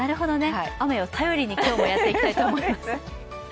雨を頼りに今日もやっていきたいと思います。